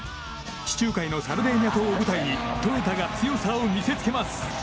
地中海のサルディーニャ島を舞台にトヨタが強さを見せつけます。